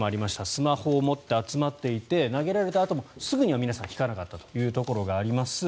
スマホを持って集まっていて投げられたあともすぐには皆さん、引かなかったというところがあります。